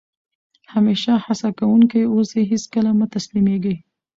همېشه هڅه کوونکی اوسى؛ هېڅ کله مه تسلیمېږئ!